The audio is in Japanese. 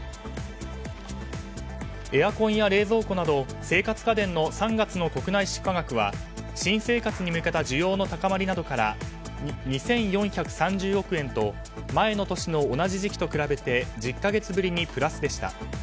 エアコンや冷蔵庫など生活家電の３月の国内出荷額は新生活に向けた需要の高まりなどから２４３０億円と前の年の同じ時期と比べて１０か月ぶりにプラスでした。